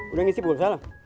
udah ngisi bu salam